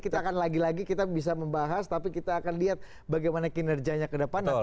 kita akan lagi lagi kita bisa membahas tapi kita akan lihat bagaimana kinerjanya ke depan nanti